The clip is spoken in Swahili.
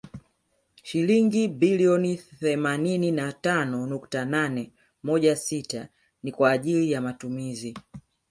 Shilingi bilioni themanini na tano nukta nane moja sita ni kwa ajili ya matumizi